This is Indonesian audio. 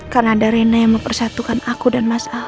karena ada rena yang mempersatukan aku dan mas al